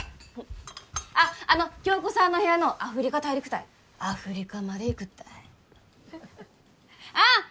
あっあの響子さんの部屋のアフリカ大陸たいアフリカまで行くったいあっ！